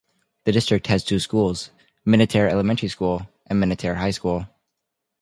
The district has two schools, Minatare Elementary School and Minatare High School.